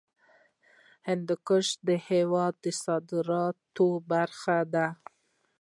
هندوکش د هېواد د صادراتو برخه ده.